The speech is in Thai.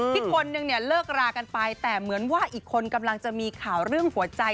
อีกคนนึงเนี่ยเลิกรากันไปแต่เหมือนว่าอีกคนกำลังจะมีข่าวเรื่องหัวใจ